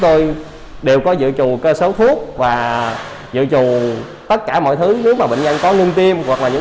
ta đều có dự trù cơ sở thuốc và dự trù tất cả mọi thứ nếu mà bệnh nhân có ngưng tim hoặc là những